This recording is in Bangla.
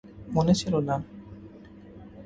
মনে ছিল না।